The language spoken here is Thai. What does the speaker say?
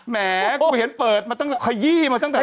แหมกูเห็นเปิดมันตั้งแต่ขยี้มาตั้งแต่แรก